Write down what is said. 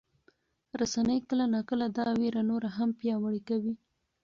رسنۍ کله ناکله دا ویره نوره هم پیاوړې کوي.